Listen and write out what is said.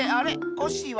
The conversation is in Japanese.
コッシーは？